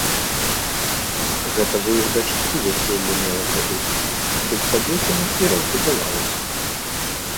Гэта ж ў іх дачкі вяселле мелася быць, дык кабеціна і разбедавалася.